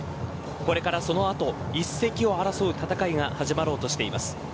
これからそのあと一席を争う戦いが始まろうとしています。